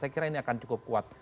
saya kira ini akan cukup kuat